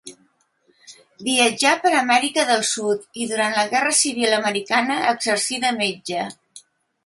Viatjà per Amèrica del Sud i durant la guerra civil americana exercí de metge.